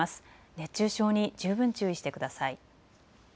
熱中症に十分注意してください。